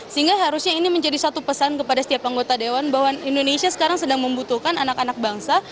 sehingga harusnya ini menjadi satu pesan kepada setiap anggota dewan bahwa indonesia sekarang sedang membutuhkan anak anak bangsa